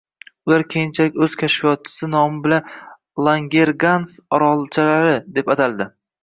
Ular keyinchalik o‘z kashfiyotchisi nomi bilan “Langergans orolchalari” deb ataldi